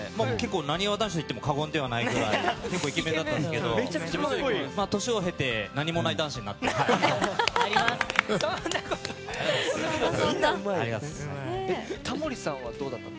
なにわ男子といっても過言ではないくらい結構イケメンだったんですけど年を経て何もない男子になりました。